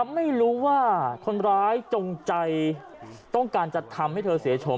ไม่รู้ว่าคนร้ายจงใจต้องการจะทำให้เธอเสียโฉม